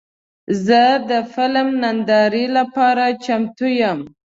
زه د فلم نندارې لپاره چمتو یم.